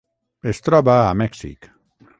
Es troba a Mèxic: